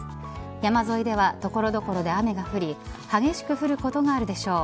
山沿いでは所々で雨が降り激しく降ることがあるでしょう。